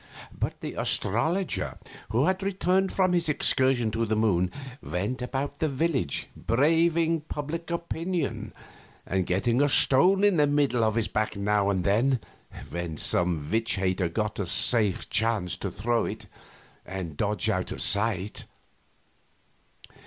But the astrologer, who had returned from his excursion to the moon, went about the village, braving public opinion, and getting a stone in the middle of his back now and then when some witch hater got a safe chance to throw it and dodge out of sight.